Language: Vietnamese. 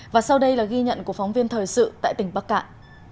và sau đây là ghi nhận của phóng viên thời sự tại tỉnh bắc cạn